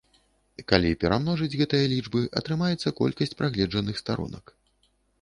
Калі перамножыць гэтыя лічбы, атрымаецца колькасць прагледжаных старонак.